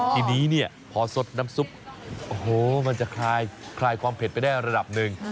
ทีนี้เนี่ยพอสดน้ำซุปโอ้โหมันจะคลายความเผ็ดไปได้ระดับหนึ่ง